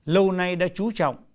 lâu nay đã trú trọng